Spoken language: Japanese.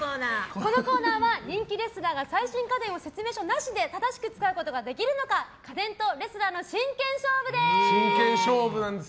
このコーナーは人気レスラーが最新家電を説明書なしで正しく使うことができるのか家電とレスラーの真剣勝負です。